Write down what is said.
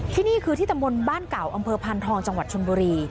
ที่นี่คือที่ตำบลบ้านเก่าอำเภอพานทองจังหวัดชนบุรี